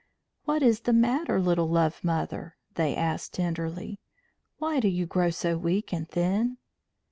"What is the matter, little Love Mother?" they asked tenderly. "Why do you grow so weak and thin?"